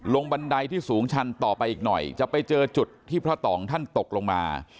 บันไดที่สูงชันต่อไปอีกหน่อยจะไปเจอจุดที่พระต่องท่านตกลงมา